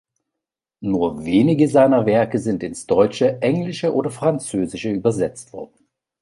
Nur wenige seiner Werke sind ins Deutsche, Englische oder Französische übersetzt wurden.